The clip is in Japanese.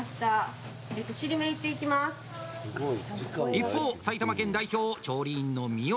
一方、埼玉県代表、調理員の三好。